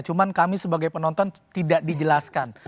cuma kami sebagai penonton tidak dijelaskan